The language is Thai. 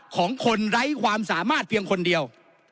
ของคนไร้ความสามารถเพียงคนเดียว